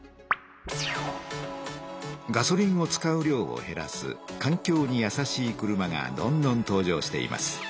ガソリンを使う量をへらす環境にやさしい車がどんどん登場しています。